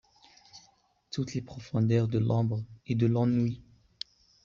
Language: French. Toutes les profondeurs de l’ombre et de l’ennui